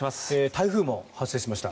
台風も発生しました。